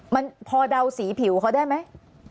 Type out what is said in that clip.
มันพอเดาสีผิวเขาได้ไหม